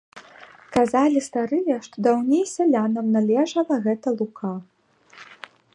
Казалі старыя, што даўней сялянам належала гэта лука.